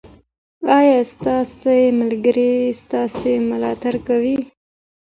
ایا ستاسې ملګري ستاسې ملاتړ کوي؟